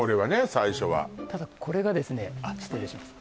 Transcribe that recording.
最初はただこれがですねあっ失礼します